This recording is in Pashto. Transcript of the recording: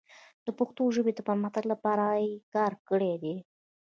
د پښتو ژبې د پرمختګ لپاره یې کار کړی دی.